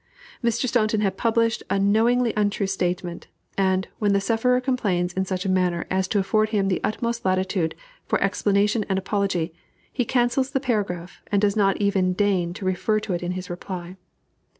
Mr. Staunton had published a knowingly untrue statement, and, when the sufferer complains in such manner as to afford him the utmost latitude for explanation and apology, he cancels the paragraph, and does not even deign to refer to it in his reply.